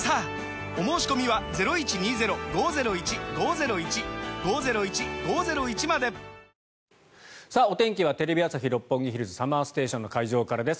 お申込みはお天気はテレビ朝日・六本木ヒルズＳＵＭＭＥＲＳＴＡＴＩＯＮの会場からです。